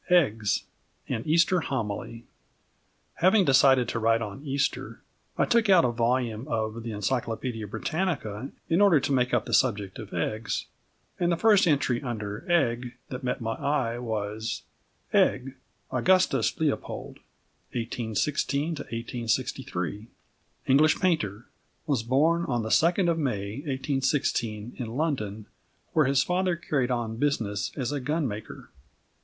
XVII EGGS: AN EASTER HOMILY Having decided to write on Easter, I took out a volume of The Encyclopædia Britannica in order to make up the subject of eggs, and the first entry under "Egg" that met my eye was: "EGG, AUGUSTUS LEOPOLD (1816 1863), English painter, was born on the 2nd of May, 1816, in London, where his father carried on business as a gun maker."